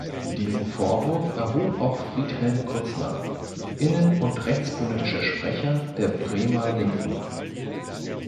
Diesen Vorwurf erhob auch Friedhelm Grützner, innen- und rechtspolitischer Sprecher der Bremer Linken.